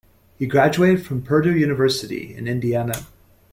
He graduated from Purdue University in Indiana.